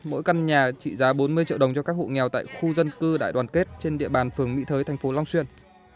mỗi căn nhà trị giá bốn mươi triệu đồng cho các hộ nghèo tại khu dân cư đại đoàn kết trên địa bàn phường mỹ thới thành phố long xuyên